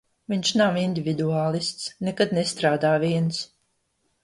Viņš nav individuālists, nekad nestrādā viens.